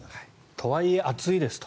とはいえ暑いですと。